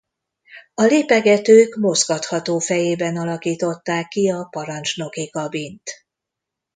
A lépegetők mozgatható fejében alakították ki a parancsnoki kabint.